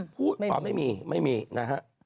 สว่างไม่มีนะฮะ